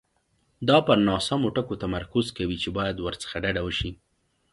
دا پر ناسمو ټکو تمرکز کوي چې باید ورڅخه ډډه وشي.